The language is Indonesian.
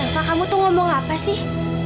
pak kamu tuh ngomong apa sih